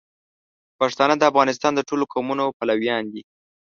پښتانه د افغانستان د ټولو قومونو پلویان دي.